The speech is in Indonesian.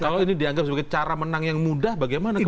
kalau ini dianggap sebagai cara menang yang mudah bagaimana